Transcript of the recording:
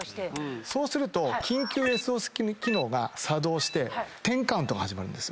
そうすると緊急ＳＯＳ機能が作動して１０カウントが始まるんですよ。